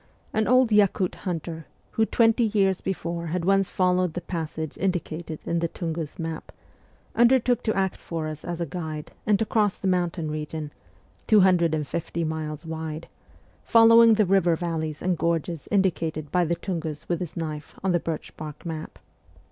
An old Yakut hunter, who twenty years before had once followed the passage indicated in the Tungus map, undertook to act for us as a guide and to cross the mountain region 250 miles wide following the river valleys and gorges indicated by the Tungus with his knife on the birch bark map.